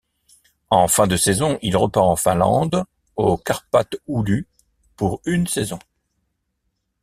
En fin de saison, il repart en Finlande au Kärpät Oulu pour une saison.